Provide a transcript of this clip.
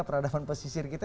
peradaban pesisir kita